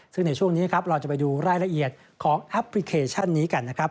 ซึ่งในช่วงนี้ครับเราจะไปดูรายละเอียดของแอปพลิเคชันนี้กันนะครับ